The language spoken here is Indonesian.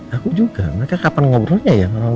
aku juga mereka kapan ngobrolnya ya